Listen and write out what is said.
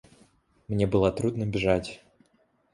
Мне было трудно бежать.